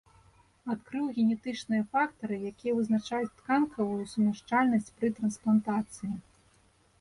Адкрыў генетычныя фактары, якія вызначаюць тканкавую сумяшчальнасць пры трансплантацыі.